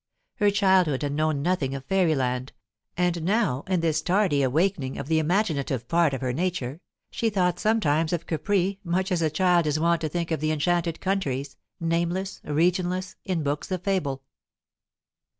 Her childhood had known nothing of fairyland, and now, in this tardy awakening of the imaginative part of her nature, she thought sometimes of Capri much as a child is wont to think of the enchanted countries, nameless, regionless, in books of fable.